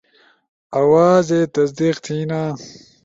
آوازے تصدیق تھینا